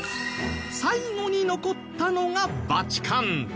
最後に残ったのがバチカン。